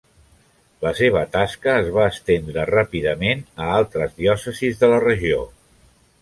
La seva tasca es va estendre ràpidament a altres diòcesis de la regió.